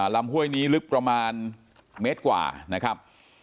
ห้วยนี้ลึกประมาณเมตรกว่านะครับ